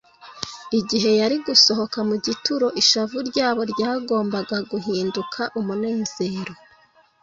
igihe yari gusohoka mu gituro, ishavu ryabo ryagombaga guhinduka umunezero